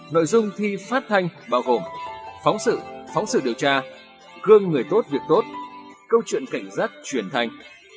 nội dung thi phát thanh bao gồm phóng sự phóng sự điều tra gương người tốt việc tốt câu chuyện cảnh giác truyền thanh